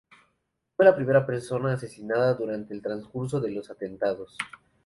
Fue la primera persona asesinada durante el transcurso de los atentados.